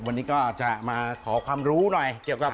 วันนี้ก็จะมาขอความรู้หน่อยเกี่ยวกับ